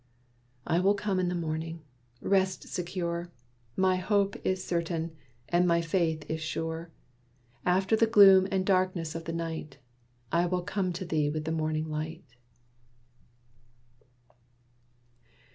"I will come in the morning. Rest secure! My hope is certain and my faith is sure. After the gloom and darkness of the night I will come to thee with the morning light."